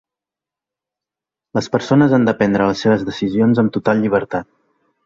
Les persones han de prendre les seves decisions amb total llibertat.